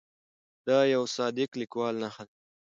دا د یوه صادق لیکوال نښه ده.